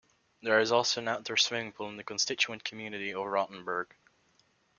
There is also an outdoor swimming pool in the constituent community of Rottenberg.